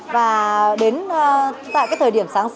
và đến tại cái thời điểm sáng sớm